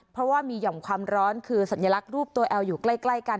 เพราะว่ามีห่อมความร้อนคือสัญลักษณ์รูปตัวแอลอยู่ใกล้กัน